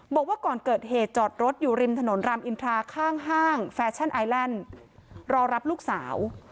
บอกว่าก่อนเกิดเหตุจอดรถอยู่ริมถนนรามอินทราข้างห้างแฟชั่นไอแลนด์รอรับลูกสาว